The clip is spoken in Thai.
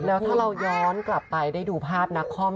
แล้วถ้าเราย้อนกลับไปได้ดูภาพนักคอม